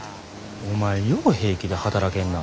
お前よう平気で働けんな。